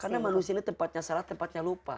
karena manusia ini tempatnya salah tempatnya lupa